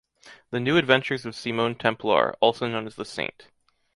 The new adventures of Simon Templar, also known as the Saint.